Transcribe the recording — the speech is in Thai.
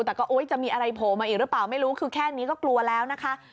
แต่ก็จะมีอะไรโผล่มาอีกหรือเปล่าไม่รู้คือแค่นี้ก็กลัวแล้วนะคะ